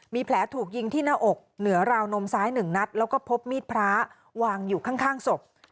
มีแผลถูกยิงที่หน้าอกเหนือราวนมซ้ายหนึ่งนัดแล้วก็พบมีดพระวางอยู่ข้างศพ